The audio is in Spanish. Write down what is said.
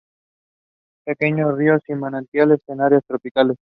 Pequeños rios y manantiales en áreas tropicales.